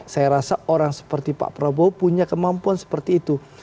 saya rasa orang seperti pak prabowo punya kemampuan seperti itu